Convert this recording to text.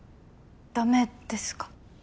ダメですか？